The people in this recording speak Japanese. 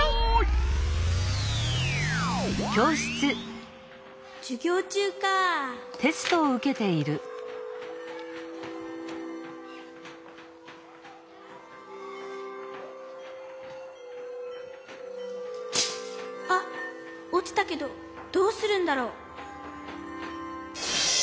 こころのこえあっおちたけどどうするんだろう？